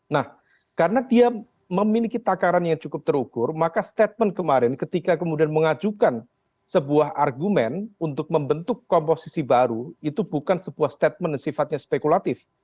nah karena dia memiliki takaran yang cukup terukur maka statement kemarin ketika kemudian mengajukan sebuah argumen untuk membentuk komposisi baru itu bukan sebuah statement yang sifatnya spekulatif